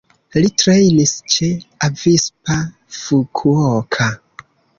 Li trejnis ĉe Avispa Fukuoka.